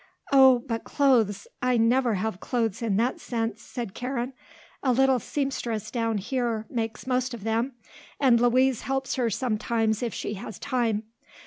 "Oh, but clothes. I never have clothes in that sense," said Karen. "A little seamstress down here makes most of them and Louise helps her sometimes if she has time.